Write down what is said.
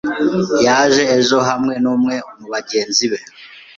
yaje ejo hamwe numwe mubagenzi be.